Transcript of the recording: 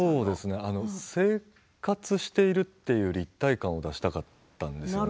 生活しているという立体感を出したかったんですよね